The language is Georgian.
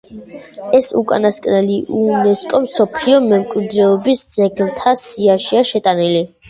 ეს უკანასკნელი იუნესკოს მსოფლიო მემკვიდრეობის ძეგლთა სიაშია შეტანილი.